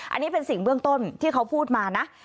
อันนี้เป็นสิ่งเบื้องต้นที่เขาพูดมานะ